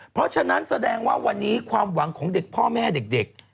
เพราะฉะนั้นแสดงว่าวันนี้ความหวังของเด็กพ่อแม่เด็ก